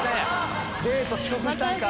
デート遅刻したんか。